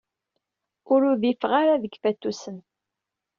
Ur udifeɣ ara deg yifatusen.